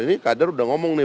ini kader udah ngomong nih